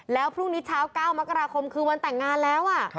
แล้วพรุ่งนี้เช้า๙มกราคมคือวันแต่งงานแล้ว